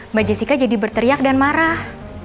mbak jessica jadi berteriak dan marah